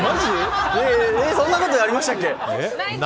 そんなことありましたっけ？